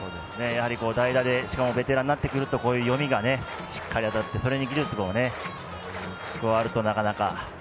代打で、しかもベテランになってくるとこういう読みがしっかり当たって、それに技術が加わると、なかなか。